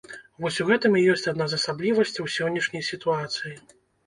Вось у гэтым і ёсць адна з асаблівасцяў сённяшняй сітуацыі.